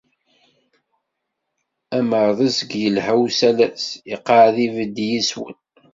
Amerrezg yelha usalas, iqɛed ibeddi yis-wen.